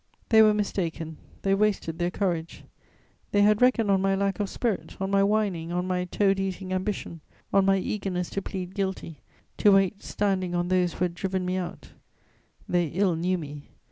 They were mistaken; they wasted their courage; they had reckoned on my lack of spirit, on my whining, on my toad eating ambition, on my eagerness to plead guilty, to wait standing on those who had driven me out: they ill knew me.